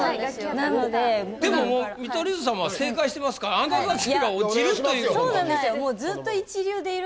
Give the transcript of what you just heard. なのででももう見取り図様は正解してますからあなたたちが落ちるというそうなんですよ